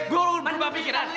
gue udah berubah pikiran